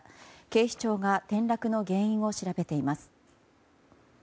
警視庁が転落の原因を調べています。